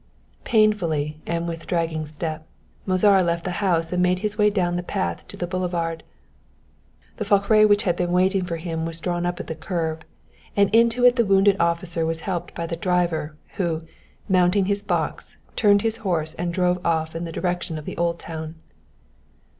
Painfully, and with dragging step, Mozara left the house and made his way down the path to the boulevard. The fiacre which had been waiting for him was drawn up at the curb, and into it the wounded officer was helped by the driver, who, mounting his box, turned his horse and drove off in the direction of the Old Town.